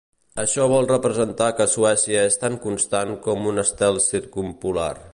Això vol representar que Suècia es tan constant com un estel circumpolar.